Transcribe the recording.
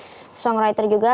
dan juga songwriter juga